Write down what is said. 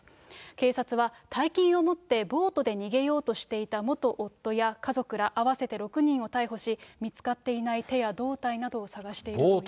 警察は、大金を持って、ボートで逃げようとしていた元夫や家族ら、合わせて６人を逮捕し、見つかっていない手や胴体などを探しているということです。